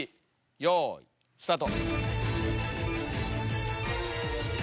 よいスタート！